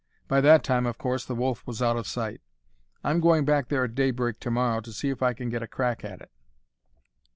By that time, of course, the wolf was out of sight. I'm going back there at daybreak to morrow to see if I can get a crack at it."